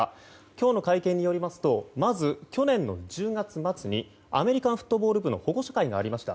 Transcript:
今日の会見によりますとまず、去年の１０月末にアメリカンフットボール部の保護者会がありました。